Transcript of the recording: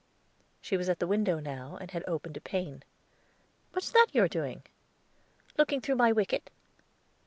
She was at the window now, and had opened a pane. "What's that you are doing?" "Looking through my wicket."